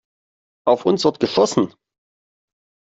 Auf uns wird geschossen!